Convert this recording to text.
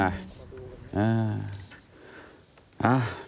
ใช่ไหม